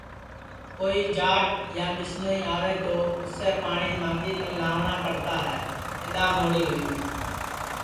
کوئی جاٹ یا ٻِسنوئی آوے تو اُسسے پاٹؔی مانگی کن لاوٹؔا پڑتا ہے اِدؔا مھوڑی ہوئی گی